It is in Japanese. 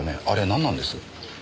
あれなんなんです？